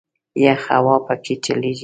یخه هوا په کې چلیږي.